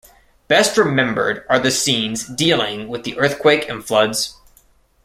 Best remembered are the scenes dealing with the earthquake and floods.